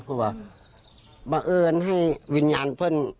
เพราะว่าบังเอิญให้วิญญาณเพื่อน